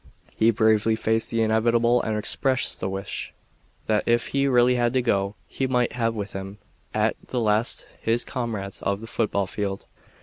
"He bravely faced the inevitable and expressed the wish that if he really had to go he might have with him at the last his comrades of the football field.